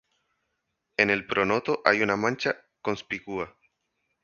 En el pronoto hay una mancha conspicua.